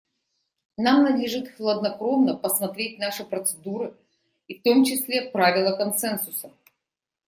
Нам надлежит хладнокровно посмотреть наши процедуры, и в том числе правило консенсуса.